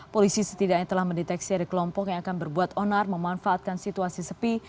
polisi setidaknya telah mendeteksi ada kelompok yang akan berbuat onar memanfaatkan situasi sepi